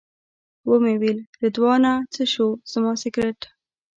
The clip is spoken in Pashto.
ومې ویل رضوانه څه شو زما سګرټ.